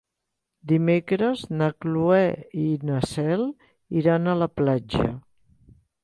Dimecres na Cloè i na Cel iran a la platja.